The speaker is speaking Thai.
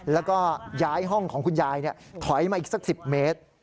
แล้วก็ย้ายห้องของคุณยายถอยมาอีกสัก๑๐เมตร